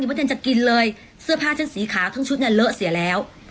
ไม่ทันจะกินเลยเสื้อผ้าชุดสีขาวทั้งชุดเนี่ยเลอะเสียแล้ว